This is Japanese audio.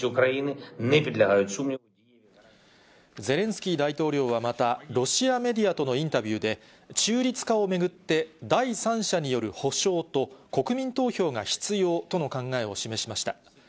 ゼレンスキー大統領はまた、ロシアメディアとのインタビューで、中立化を巡って、第三者による保証と、国民投票が必要との考えを示しました。